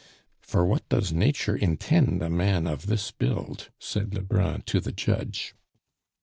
"For what does nature intend a man of this build?" said Lebrun to the judge.